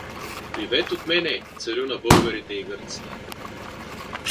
Привет от мене, царю на българите и гърците.